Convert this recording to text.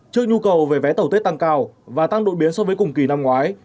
trước nhu cầu về vé tẩu tết tăng cao và tăng đội biến so với cùng kỳ năm ngoái